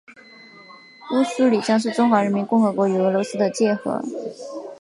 乌苏里江是中华人民共和国与俄罗斯的界河。